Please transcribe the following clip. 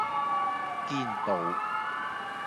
堅道